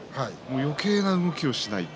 よけいな動きをしていない。